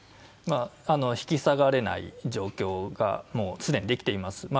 引き下がれない状況がもう常にできています。